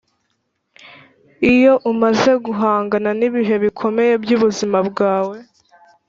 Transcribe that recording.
iyo umaze guhangana n'ibihe bikomeye byubuzima bwawe